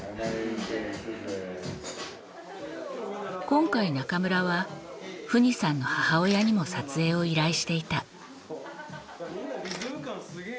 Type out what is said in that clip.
今回中村はＦＵＮＩさんの母親にも撮影を依頼していた。